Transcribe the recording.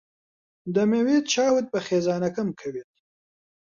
دەمەوێت چاوت بە خێزانەکەم بکەوێت.